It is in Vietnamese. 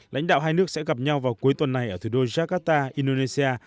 lãnh đạo hai nước sẽ gặp nhau vào cuối tuần này ở thủ đô jakarta indonesia